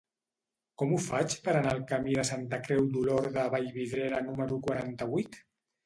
Com ho faig per anar al camí de Santa Creu d'Olorda a Vallvidrera número quaranta-vuit?